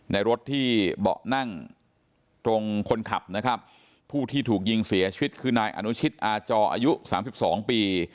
ในรถที่เบาะนั่งตรงคนขับนะครับผู้ที่ถูกยิงเสียชีวิตคือนายอนุชิตอาจออายุสามสิบสองปี